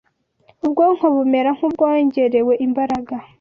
ubwonko bumera nk’ubwongerewe imbaraga